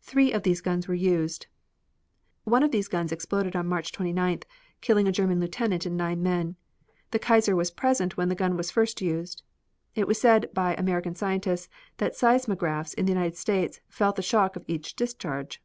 Three of these guns were used. One of these guns exploded on March 29th, killing a German lieutenant and nine men. The Kaiser was present when the gun was first used. It was said by American scientists that seismographs in the United States felt the shock of each discharge.